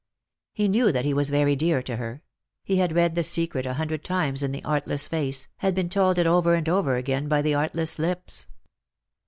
He knew that he was very dear to her ; he bad read the secret a hundred times in the artless face, had been told it over and over again by the artless lips.